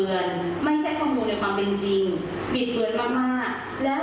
เราบอกว่าความเป็นธรรมต้องได้ไหม